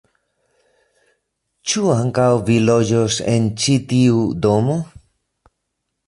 Ĉu ankaŭ vi loĝos en ĉi tiu domo?